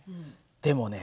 でもね